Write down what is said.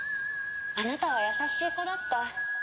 あなたは優しい子だった。